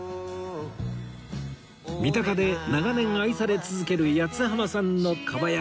三鷹で長年愛され続ける八つ浜さんの蒲焼